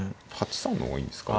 ８三の方がいいんですか。